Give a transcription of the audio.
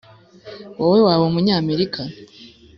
wowe waba umunyamerika?